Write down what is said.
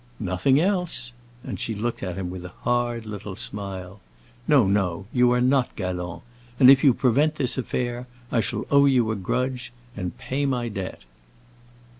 "Nothing else!" and she looked at him with a hard little smile. "No, no, you are not galant! And if you prevent this affair I shall owe you a grudge—and pay my debt!"